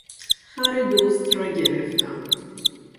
خر دزد را گرفتم.